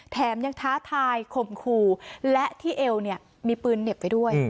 แถมยังท้าทายข่มขู่และที่เอวเนี่ยมีปืนเหน็บไปด้วย